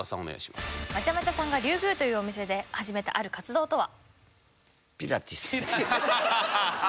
まちゃまちゃさんが龍宮というお店で始めたある活動とは？